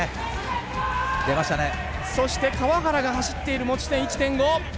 そして川原が走っている持ち点１．５。